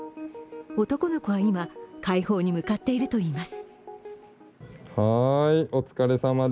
男の子は今、快方に向かっているといいます。